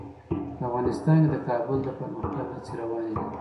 په افغانستان کې د کابل د پرمختګ هڅې روانې دي.